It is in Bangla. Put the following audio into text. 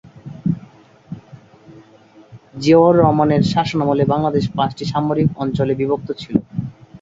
জিয়াউর রহমানের শাসনামলে বাংলাদেশ পাঁচটি সামরিক অঞ্চলে বিভক্ত ছিল।